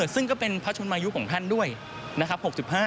ซึ่งก็เป็นพระชนมายุของท่านด้วยนะครับ